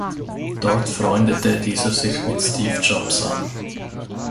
Dort freundete dieser sich mit Steve Jobs an.